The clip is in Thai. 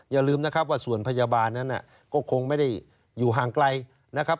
อย่าลืมนะครับว่าส่วนพยาบาลนั้นก็คงไม่ได้อยู่ห่างไกลนะครับ